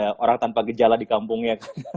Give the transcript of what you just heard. kejalanan tanpa kejalanan di kampungnya